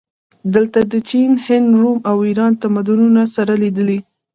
دلته د چین، هند، روم او ایران تمدنونه سره لیدلي